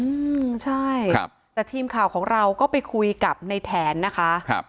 อืมใช่ครับแต่ทีมข่าวของเราก็ไปคุยกับในแถนนะคะครับ